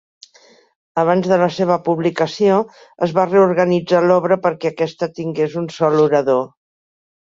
Abans de la seva publicació, es va reorganitzar l'obra perquè aquesta tingués un sol orador.